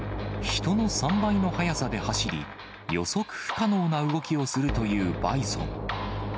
人の３倍の速さで走り、予測不可能な動きをするというバイソン。